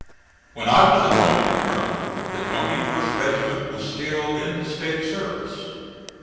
When I was appointed colonel, the 21st regiment was still in the State service.